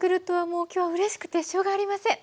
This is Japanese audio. もう今日はうれしくてしょうがありません。